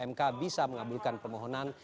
mk bisa mengabulkan permohonan